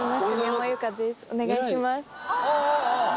お願いします。